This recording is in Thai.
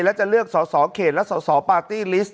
และจะเลือกสอสอเขตและสสปาร์ตี้ลิสต